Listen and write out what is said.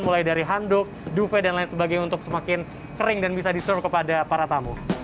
mulai dari handuk duve dan lain sebagainya untuk semakin kering dan bisa diseru kepada para tamu